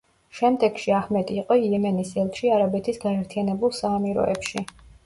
შემდეგში აჰმედი იყო იემენის ელჩი არაბეთის გაერთიანებულ საამიროებში.